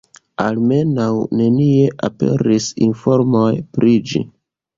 Almenaŭ nenie aperis informoj pri ĝi.